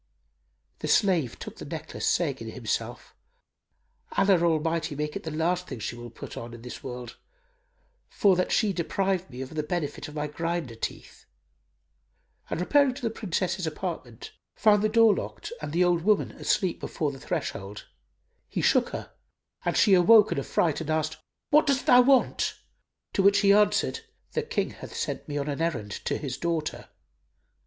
'" The slave took the necklace, saying in himself, "Allah Almighty make it the last thing she shall put on in this world, for that she deprived me of the benefit of my grinder teeth!"; and repairing to the Princess's apartment, found the door locked and the old woman asleep before the threshold. He shook her, and she awoke in affright and asked, "What dost thou want?"; to which he answered, "The King hath sent me on an errand to his daughter."